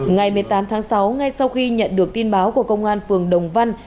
ngày một mươi tám tháng sáu ngay sau khi nhận được tin báo của công an phường đồng văn